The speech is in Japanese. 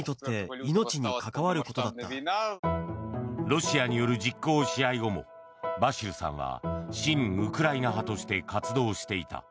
ロシアによる実効支配後もバシルさんは親ウクライナ派として活動していた。